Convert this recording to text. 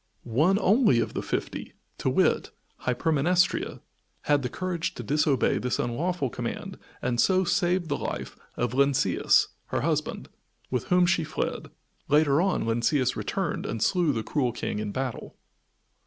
One only of the fifty, to wit Hypermnestra, had the courage to disobey this unlawful command and so saved the life of Lynceus, her husband, with whom she fled. Later on Lynceus returned and slew the cruel King in battle.